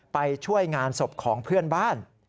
ไปช่วยงานศพของเพื่อนบ้าน